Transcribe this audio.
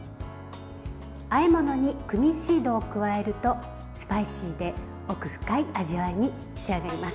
あえ物にクミンシードを加えるとスパイシーで奥深い味に仕上がります。